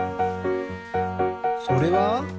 それは？